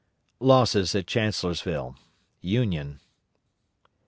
LOSSES AT CHANCELLORSVILLE. UNION.